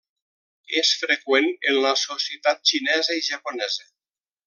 És freqüent en la societat xinesa i japonesa.